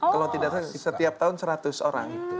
kalau tidak salah setiap tahun seratus orang